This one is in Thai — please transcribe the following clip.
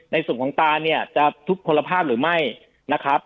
ในส่วนของตาเนี่ยจะทุกคนภาพหรือไม่นะครับ